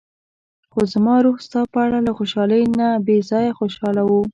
خو زما روح ستا په اړه له خوشحالۍ نه بې ځايه خوشاله و.